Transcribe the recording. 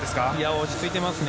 落ち着いていますね